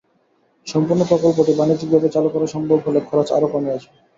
সম্পূর্ণ প্রকল্পটি বাণিজ্যিকভাবে চালু করা সম্ভব হলে খরচ আরও কমে আসবে।